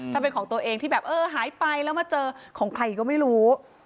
ถ้าเป็นของตัวเองที่แบบเออหายไปแล้วมาเจอของใครก็ไม่รู้